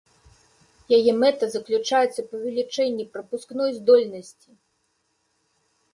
Яе мэта заключаецца ў павелічэнні прапускной здольнасці.